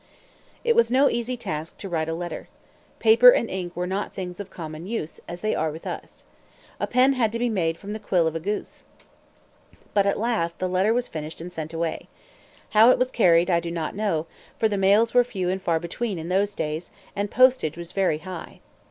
It was no easy task to write a letter. Paper and ink were not things of common use, as they are with us. A pen had to be made from the quill of a goose. But at last the letter was finished and sent away. How it was carried I do not know; for the mails were few and far between in those days, and postage was very high.